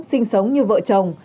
sinh sống như vợ chồng